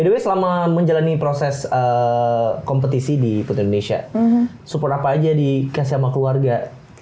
dewi selama menjalani proses kompetisi di putri indonesia support apa aja dikasih sama keluarga